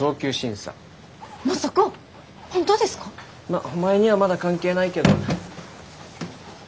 まっお前にはまだ関係ないけどな。